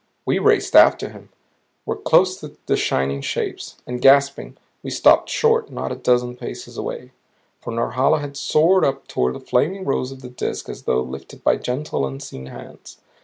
We raced after him; were close to the shining shapes. And, gasping, we stopped short not a dozen paces away. For Norhala had soared up toward the flaming rose of the Disk as though lifted by gentle, unseen hands.